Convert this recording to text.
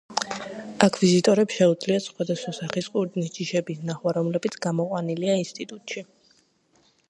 აქ ვიზიტორებს შეუძლიათ სხვადასხვა სახის ყურძნის ჯიშების ნახვა, რომლებიც გამოყვანილია ინსტიტუტში.